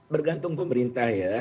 bergantung pemerintah ya